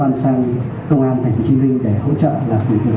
công an thành phố hồ chí minh để hỗ trợ làm việc như này